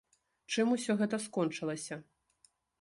Чым усё гэта скончылася?